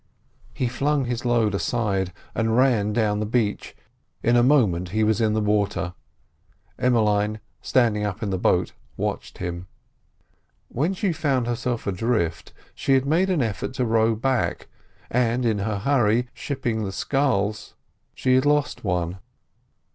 He flung his load aside, and ran down the beach; in a moment he was in the water. Emmeline, standing up in the boat, watched him. When she found herself adrift, she had made an effort to row back, and in her hurry shipping the sculls she had lost one.